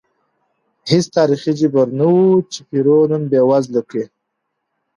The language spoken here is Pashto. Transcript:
هېڅ تاریخي جبر نه و چې پیرو نن بېوزله کړي.